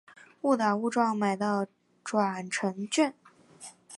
误打误撞买到转乘券